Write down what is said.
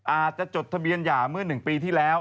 อาจจะจดทะเบียนยาเมื่อ๑ปีที่แล้ว